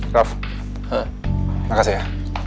raff terima kasih ya